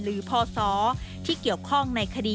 พศที่เกี่ยวข้องในคดี